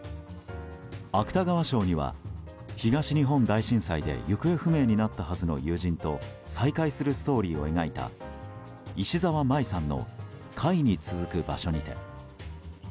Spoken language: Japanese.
芥川賞には、東日本大震災で行方不明になったはずの友人と再会するストーリーを描いた石沢麻依さんの「貝に続く場所にて」。